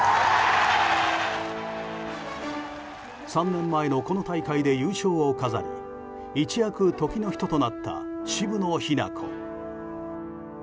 ３年前のこの大会で優勝を飾り一躍、時の人となった渋野日向子。